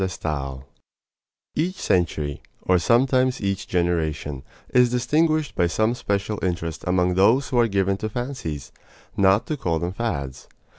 DE STAEL Each century, or sometimes each generation, is distinguished by some especial interest among those who are given to fancies not to call them fads.